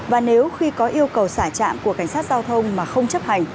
và nếu khi có yêu cầu xả trạm của cảnh sát giao thông mà không chấp hành